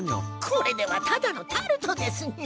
これではただのタルトですにゃ。